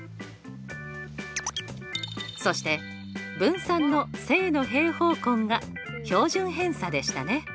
そして分散の正の平方根が標準偏差でしたね。